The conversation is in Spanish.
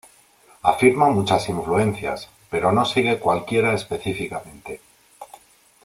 Afirma muchas influencias, pero no sigue cualquiera específicamente.